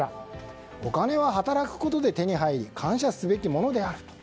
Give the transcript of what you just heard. お金は働くことで手に入り感謝すべきものであると。